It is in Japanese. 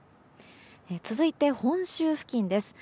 続いて本州付近です。